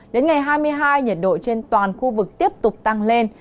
đến ngày hai mươi hai nhiệt độ trên toàn khu vực tiếp tục tăng lên